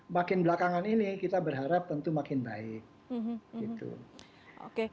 makin belakangan ini kita berharap tentu makin baik